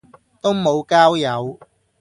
都無交友